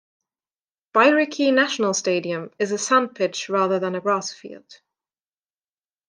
Bairiki National Stadium is a sand pitch rather than a grass field.